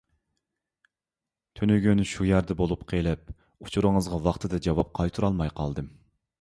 تۈنۈگۈن شۇ يەردە بولۇپ قېلىپ، ئۇچۇرىڭىزغا ۋاقتىدا جاۋاب قايتۇرالماي قالدىم.